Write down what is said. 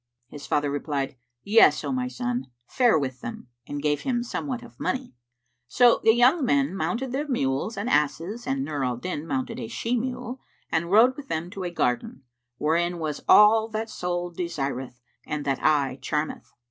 His father replied, "Yes, O my son, fare with them;" and gave him somewhat of money. So the young men mounted their mules and asses and Nur al Din mounted a she mule and rode with them to a garden, wherein was all that soul desireth and that eye charmeth.